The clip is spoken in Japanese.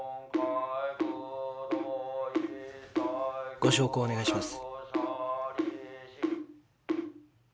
ご焼香をお願いします。